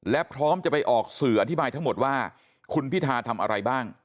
และพร้อมจะไปออกสื่ออธิบายทั้งหมดว่าคุณพิธาทำอะไรบ้าง